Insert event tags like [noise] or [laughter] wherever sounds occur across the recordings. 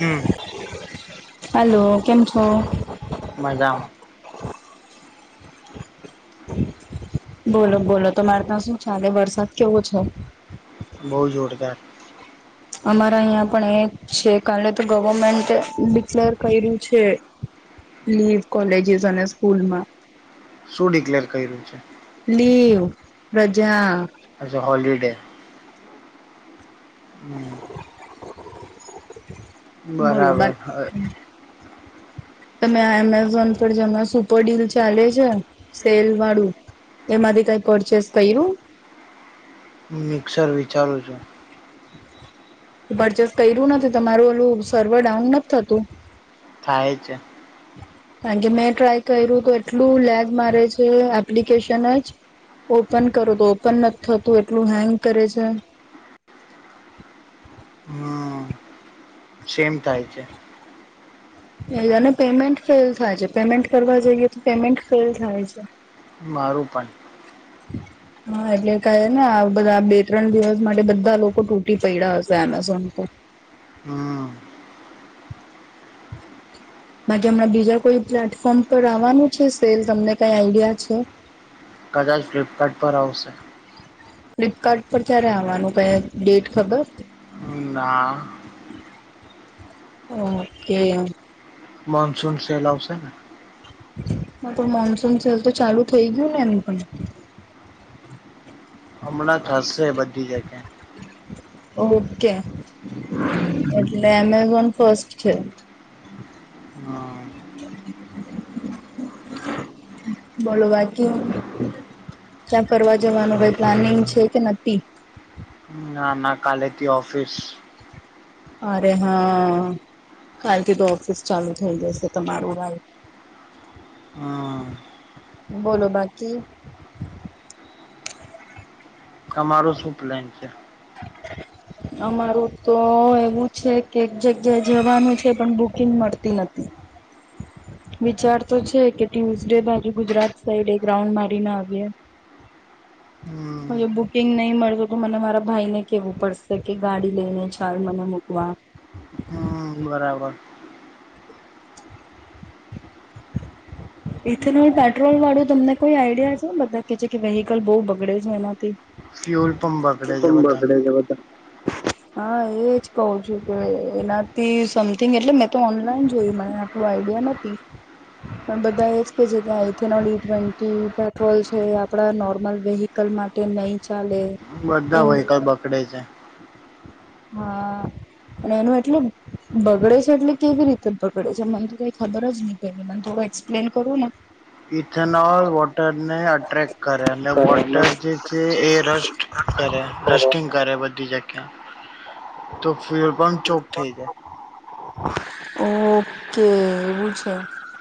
હમ hello કેમ છો મજામાં બોલો બોલો તમારે ત્યાં શું ચાલે વરસાદ કેવો છે બહુ જોરદાર અમારા અહં પણ એ છે કાલે તો ગવર્મેન્ટ ડિક્લેર કર્યું છે લીવ કોલેજીસ અને સ્કૂલ માં શું ડિક્લેર કર્યું છે લીવ રજા આ હોલીડે હમ બોલો બા બરાબર હ તમે એમેઝોન પર જમણા સુપરડીલ ચાલે છે સેલ વાળું એમાથી કઈ પર્ચેસ કયું મિક્સર વિચારું છું પરચેસ કર્યું નથી તમારું ઓલું સર્વર ડાઉન નથી થતું થાય છે કાર કે મેં ટ્રાય કર્યું તો એટલું લેઝ મારે છે એપ્લિકેશન જ ઓપન કરો તો ઓપન નથી થતું એટલું હેંગ કરે છે હા સેમ થાય છે અને પેમેન્ટ ફેલ થાય છે પેમેન્ટ કરવા જઈએ તો પેમેન્ટ ફેલ થાય છે મારું પણ હમ હા એટલે ને આ બધા બે ત્રણ દિવસ માટે બધા લોકો તૂટી પડ્યા હશે એમેઝોન પર હમ હ બાકી હમણાં બીજા કોઈ પ્લેટફોર્મ પર આવવાનું છે સેલ્સ તમને કઈ આઈડિયા છે કદાચ ફ્લિપકાર્ટ પર આવશે ફ્લિપકાર્ટ પર ત્યારે આવવાનું ડેટ ખબર ના ઓકે મોનસૂન ફલ આવશે ને હ તો મોનસૂન છેલ તો ચાલુ થઇ ગયું ને એમ પણ હમણાં હશે બધી જગ્યા ઓકે એટલે એમેઝોન ફસ્ટ છે હા [unintelligible] બોલો બાકી, ક્યાં ફ જવાનું કઈ પ્લાનિંગ છે કે નથી? ના ના કાલેથી ઓફિસ અરે હા કાલથી તો ઓફિસ ચાલુ થઇ જશે તમારું હમ બોલો બાકી? તમારો શું પ્લેન છે? [unintelligible] અમારું તો એવું છે કે એક જગ્યા જવાનું છે પણ બુકિંગ મળતી નથી [unintelligible] વિચાર તો છે કે ટ્યુઝડે બાજુ ગુજરાત સાઈડ એક રાઉન્ડ મારીને આવીએ હ હમ જો બુકિંગ નહી મળશે તો મને મારા ભાઈ ને કેવું પડશે કે ગાડી લઈને ચાલ મને મૂકવા હમ બરાબર હ ઇથેનોલ પેટ્રોલ વાળું તમને કોઈ આઈડિયા છે ને બધા કે જે કે વ્હિકલ બહુ બગડે છે એમાંથી? ફ્યુલ પંપ પકડે છે બધા હ હા એજ કહઉ છું કે એનાથી સમથિંગ એટલે મેં તો ઓનલાઈન જોયું મને આઈડિયા નથી પણ બધ કે જે ત્યાં ઇથેનોલ ઇ ટ્વેન્ટી પેટ્રોલ છે આપડા નોર્મલ વેહકલ માટે કે નહી ચાલે બધા એમ વહીકલ બકડે છે. હા અને એનું એટલું બગડે છે એટલે કેવી રીતે બગડે છે મને તો કઈ ખબર જ નહી પને મને થોડું એક્સપ્લેન કરુ ને? ઇથેનોલ વોટરને અટ્રેક કરે અને વોટર જે છે એ રસ્ટ કરે રસ્ટિંગ કરે બધી જગ્યા, તો ફ્યુલ પંપ ચોક થઈ જાય. [unintelligible] ઓકે એવું છે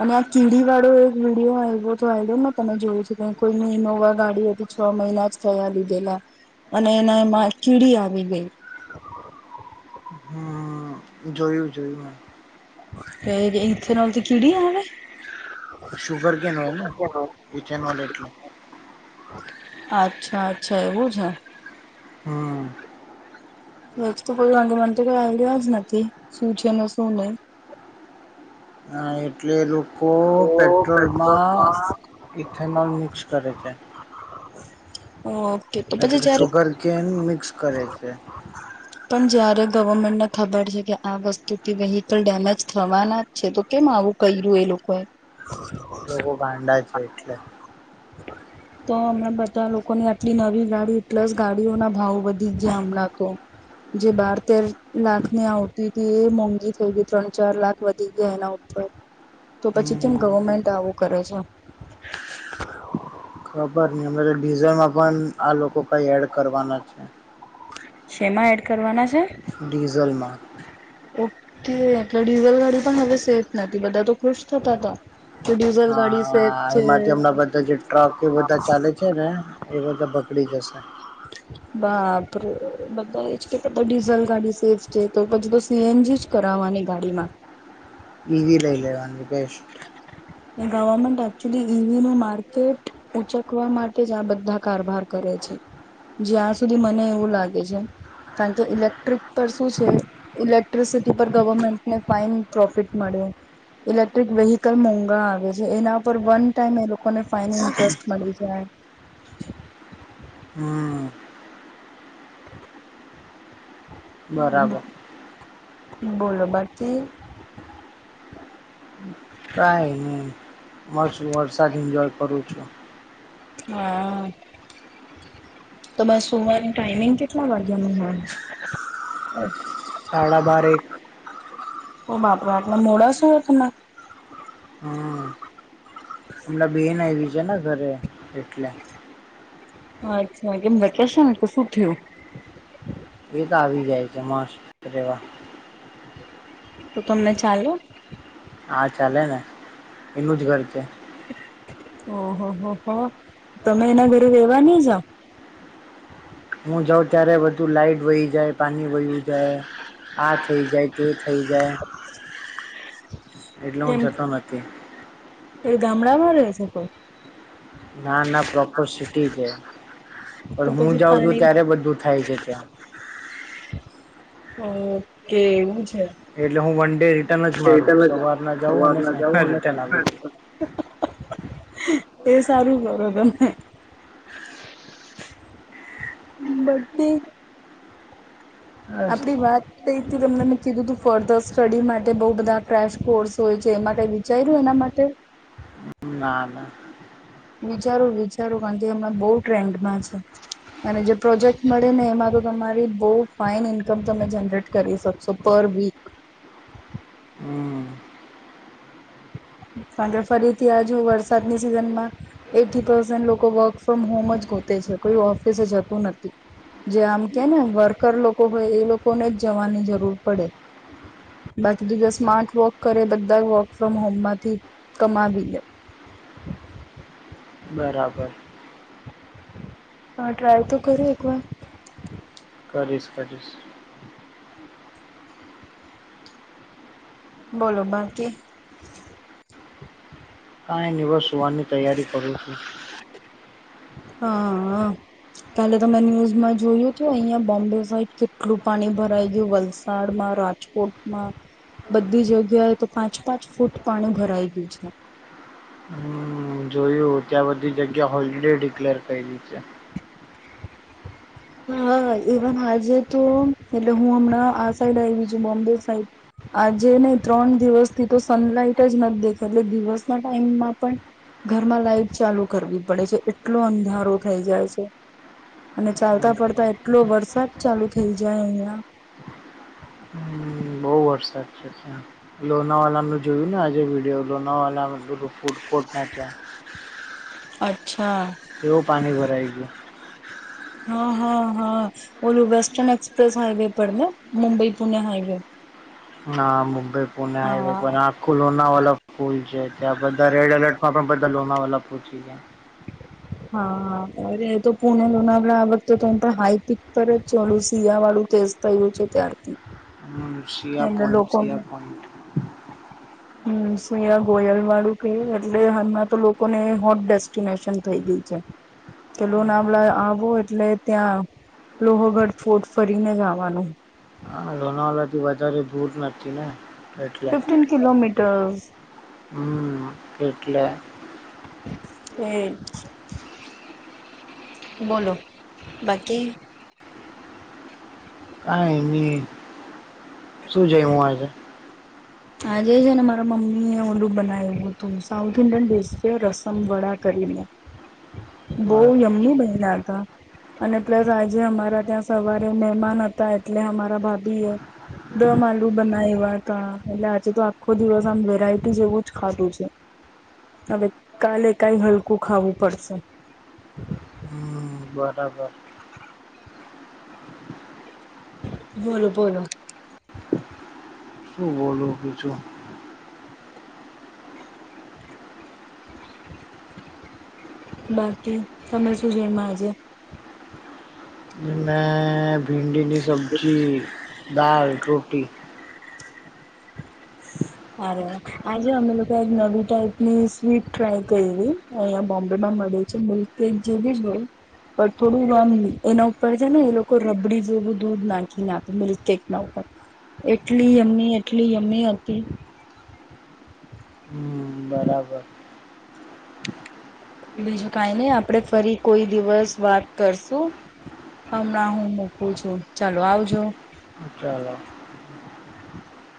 અને આ કીડી વાળો એક વિડિયો આવવો તો આ્યોને તમે જોયું છ કે કોઈની ઈનોવા ગાડી હતી, છ મહિના જ થયા લીધેલા અને એના એમાં કીડી આવી ગઈ હમ જોયું જોયું મે તે ઇથે ન તો કિડી આવે? સુુગર ગેન હોયને ઇથેનોલ એટલે અચ્છા અચ્છા એવું છે હ હમ વ તો પે મન તો કઈ આઈડિયા જ નથી સૂચનસું ન? એટલે લોકો ઓકે પેટ્રોલમાં ઇથેનોલ મિક્સ કરે છે હા ઓકે એટલે સુુગર કેન મિક્સ કરે છે. પણ જયારે ગવર્મેન્ટને ખબર છે કે આ વસ્તુથી વેહકલ ડેમેજ થવાના છે તો કેમ આવું કર્યું એ લોકો એ? લોકો ગાંડા છે એટલે [inaudible] તો હમણાં બધા લોકોની આટલી નવી ગાડી પ્લસ ગાડીઓના ભાવ વધી ગયા હમણાં તો જે બાર તેર લાખ ની આવતી હતી એ મોંઘી થઈ ગઈ ત્રણ ચાર લાખ વધી ગયા એ તો પછી કેમ હમ ગવર્મેન્ટ આવું કરે છે? ખબર નહી અમે તો ડીઝલમાં પણ આ લોકો કઈ એડ કરવાના છે. શેમાં એડ કરવાના છે? ડીઝલમાં ઓકે એટલે ડ્યુવેલ ગાડી પણ હવે સેફ નથી બધા તો ખુશ થતા હતા કે ડીઝલ હ ગાડી સેફ છે એમાંથી હમણાં બધા જે ટ્રક કે બધા ચાલે છે ને એ બધા બકડી જશે [inaudible] બાપરે બધા એજ કે ડીઝલ ગાડી સેફ છે તો પછી તો સીએનજી જ કરાવવાની ગાડીમાં ઈવી લઈ લેવાનું કેેશ [unintelligible] ગવર્મેન્ટ એકચુલી ઈવી નુ માર્કેટ ઉચકવા માટે જ આ બધા કારભાર કરે છે. જ્યાં સુધી મને એવું લાગે છે કારણ કે ઇલેક્ટ્રિક પર શું છે. ઇલેક્ટ્રિસિટી પર ગવર્મેન્ટને ફાઈન પ્રોફિટ મળે ઇલેક્ટ્રિક વેહકલ મો આવે છે એના પર વન ટાઈમ એ લોકોને ફાઇન ઇન્ટરેસ્ટ મળી જાય. હમ બરાબર હ બોલો બાકી કઈ નહી મસ્ત વરસાદ એન્જોય કરું છું. હા તો બસ સુવા ની ટાઈમિંગ કેટલા વાગ્યા નું હ સાડા બાર એક તો બાપા આટલા મોડા સુઓ તમે હા હમણાં બેન આવી છે ને ઘરે એટલે અચ્છા કેમ વેકેશન ને તો શું થયું? એ તો આવી જાય છે મા [unintelligible] લેવા તો તમને ચાલો હા ચાલે ને એનું જ ઘર છે. ઓહ હોહ તમે એના ઘરે રેવા નહી જાઓ? હું જાઉં ત્યારે બધુ લાઈટ વહી જાય, પાણી વયું જાય, આ થઈ જાય તે થઈ જાય એટલા હુ કેમ જતો નથી. એ ગામડા માં રહે છે કો ના ના પ્રોપર સિટી છે તો પણ હું પછી જાઉં છું પાણી ત્યારે બધું થાય છે ત્યાં ઓકે એવું છે.. એટલે હું વન ડે રિટર્ન જ મારું સવારના જાઉં અને સાંજ ના રિટર્ન આવે તે સારું કરો તમે બરતી આપડી છું વાત તેથી તમને મેં કીધું તું ફર્ધર સ્ટડી માટે બહુ બધા ક્રેશ કોર્સ હોય છે એમાં કઈ વિચાર્યું એના માટે ના ના વિચારું વિચારું કારણ કે હમણાં બહુ ટ્રેન્ડમાં છે. અને જે પ્રોજેક્ટ મળે ને એમાં તો તમારી બહુ ફાઈન ઈન્કમ તમે જનરેટ કરી શકશો પર વીક હમ અને ફરીથી આજુ વરસાદની સિઝન માં એટી પ્રેરસેન્ટ લોકો વર્ક ફ્રોમ હોમ જ ગોતે છે કોઈ ઓફિસે જતું નથી. જે આમ કે ને વર્કર લોકો હોય એ લોકોને જ જવાની જરૂર પડે. બાકી બીજા સ્માર્ટ વર્ક કરે બધા વર્ક ફ્રોમ હોમમાંથી કમાવી લે બરાબર. તમે ટ્રાય તો કરો? એકવાર. કરીશ કરીશ બોલો બાકી કાંઈ નહિ બસ સુવા ની તૈયારી કરું છું. હા હા પેલે તમે ન્યૂઝમાં જોયું તો અહિયા બોમ્બે સાઈડ કેટલું પાણી ભરાઈ ગયું વલસાડમાં, રાજકોટ કોટમાં બધી જગ્યાએ તો પાંચ-પાંચ ફૂટ પાણી ભરાઈ ગયું છે. હમ, જોય. ત્યા બધી જગ્યા હોલિડે ડિક્લેર કરી દી છે. હા, ઇવન હાજે તો એટલે હું હમણાં આ સાઈડ આવી છું, બોમ્બે સાઈડ. આજે નહીં, ત્રણ દિવસ થી તો સનલાઈટ જ નથી દેખાતા. એટલે દિવસના ટાઈમમાં પણ ઘરમાં લાઈટ ચાલુ કરવી પડે છે, એટલો અંધારો થઈ જાય છે. ચાલતા-પડતા એટલો વરસાદ ચાલુ થઇ જાય અહીં. હમ, બ. બહુ વરસાદ છે. લોનાવાલાનું જોયું ને? આજે વિડીયો લોનાવાલામા પુર કોટનાટવા. [unintelligible] અચ્છા. એવું પાણી ભરાય ગયુ. હા, હા, હા. ઓલું વેસ્ટર્ન એક્સપ્રેસ હાઈવે પર ને મુંબઈ- પુણે હાઈવે. હા, મુંબઈ, પુણે હાઈવે હા હા બના લોનાવાલા પુલ છે. ત્યાં બધા રેડ એલર્ટમાં પણ બધા લોનાવાલા પહોંચી જાય. હા, હા. અરે, એ તો પુણે-લોનાવાલા આ વખતે તો હું પણ હાઈપિક પર જ ચોલું શિયા વાળું તે પૈલી છે, તે આરતી. શિયા પોઈન્ટ, શિયા પોઈન્ટ. હમ, સિયા ગોયલવાળું કે, એટલે હમણાં તો લોકોને હોટ ડેસ્ટિનેશન થઈ ગયા છે. લોનાવલા આવો એટલે ત્યાં લોહગઢ ફોર્ટ ફરીને જવાનું. આનાથી વધારે ભૂર નથી ને. એટલે, ફિફ્ટીન કિલોમીટર્સ હમ, એટલે. હમ. [unintelligible] બોલો, બાકી. આવે ની, શું જમ્યા આજે? હા, જે છે ને, મારા મમ્મી એ ઓલું બનાવ્યું હતું. સાઉથ ઇન્ડિયન ડિેશ છે, રસમ વડા કરીને. બહુ યમી બનયા હતા. અને પ્લસ, આજે અમારા ત્યાં સવારે મહેમાન હતા, એટલે અમારા ભાભીએ દમ આલુ બનાવ્યા હતા. એટલે, આજે તો આખો દિવસ આમ વેરાઈટી જેવું જ ખાધું છે. હવે, કાલે કંઈ હલકું ખાવું પડશે. હમ. બરાબર. બોલો, બોલો. શું બોલો? તોક છું [unintelligible] બાકી, તમે શું જમ્યા આજે? હ. [unintelligible] ચીની સબ્જી, દાળ, રોટી. હ. [unintelligible] આજે અમે લોકો એક નવી ટાઈપની સ્વીટ ટ્રાય કરી, અહીંયા બોમ્બે માં મળી છે મુ [unintelligible] પણ થોડું આમ એના ઉપર છે ને એ લોકો રબડી જેવું દૂધ નાખી નાખે મિલ્કકેક ના ઉપર એટલી યમી એટલી યમી હતી. હમ, બરાબર. બીજું કઈ નહીં, આપડે ફરી કોઈ દિવસ વાત કરશું. હમણાં હું મૂકું છું, ચાલો આવજો. ચાલો